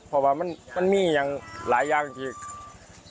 เพราะว่ามันมีอย่างหลายอย่างที่ผมเชฟใจนะครับ